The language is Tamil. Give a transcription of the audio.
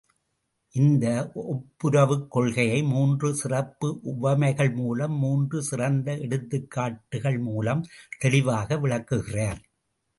இந்த ஒப்புரவுக் கொள்கையை மூன்று சிறப்பு உவமைகள் மூலம் மூன்று சிறந்த எடுத்துக்காட்டுக்கள் மூலம் தெளிவாக விளக்குகிறார்.